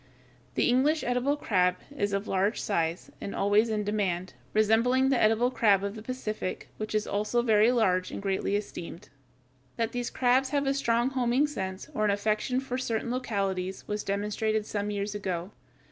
The English edible crab is of large size and always in demand, resembling the edible crab of the Pacific, which is also very large and greatly esteemed. That these crabs have a strong homing sense, or an affection for certain localities, was demonstrated some years ago.